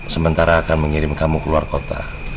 sementara akan mengirim kamu keluar kota